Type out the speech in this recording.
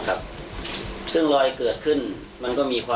มันก็ไม่ถึงหรอกครับแต่มันไม่ได้ราคาพัน